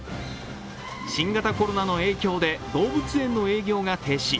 新型コロナの影響で動物園の営業が停止。